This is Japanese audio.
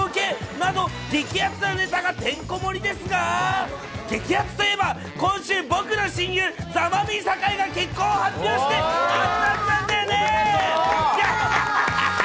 など、激アツなネタがてんこ盛りですが、激アツといえば、今週、僕の親友、ザ・マミィ・酒井が結婚を発表して、アツアツなんだよね。